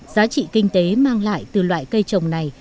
giá trị kinh tế mang lại từ loại cây trồng này